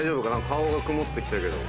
顔が曇って来たけど。